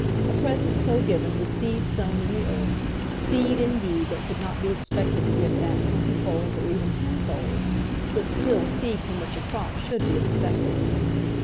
A present so given was seed sown in the earth, seed, indeed, that could not be expected to give back twenty fold, or even ten fold, but still seed from which a crop should be expected.